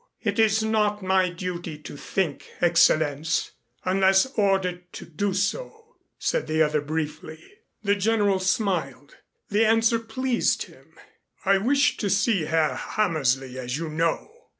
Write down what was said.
"It is not my duty to think, Excellenz, unless ordered to do so," said the other briefly. The General smiled. The answer pleased him. "I wished to see Herr Hammersley, as you know.